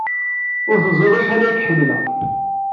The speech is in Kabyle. Ur teẓrid acḥal ay k-ḥemmleɣ.